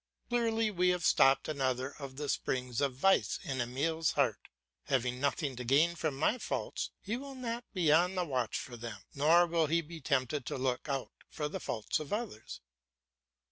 Clearly we have stopped another of the springs of vice in Emile's heart. Having nothing to gain from my faults, he will not be on the watch for them, nor will he be tempted to look out for the faults of others.